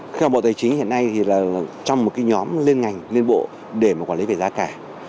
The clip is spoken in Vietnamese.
theo bộ tài chính hiện nay thì là trong một cái nhóm liên ngành liên bộ để mà quản lý về giá cả